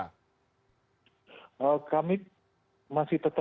ya ini ya kalau kita berhubung dengan tempat ini